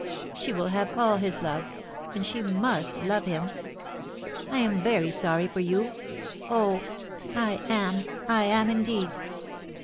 She will have all his love — and she must love him. I am very sorry for you — oh ! I am — I am indeed